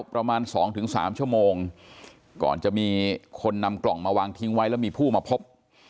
ประมาณ๒๓ชั่วโมงก่อนจะมีคนนำกล่องมาวางทิ้งไว้แล้วมีผู้มาพบ